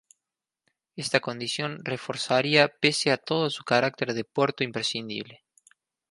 Esta condición reforzaría pese a todo su carácter de puerto imprescindible.